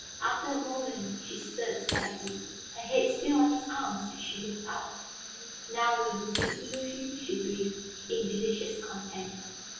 After a moment she stirred slightly, her head still on his arm as she looked up. "Now you will take me with you?" she breathed, in delicious content.